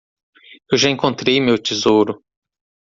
Eu já encontrei meu tesouro.